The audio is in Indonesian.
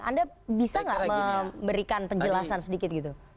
anda bisa nggak memberikan penjelasan sedikit gitu